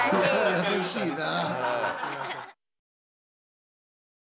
優しいな。